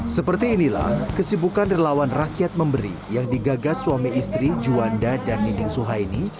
seperti inilah kesibukan relawan rakyat memberi yang digagas suami istri juanda dan nining suhaini